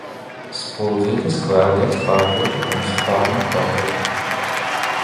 Spuldzītes kvēldiegs pārtrūka, tumsa pārņem pagrabu.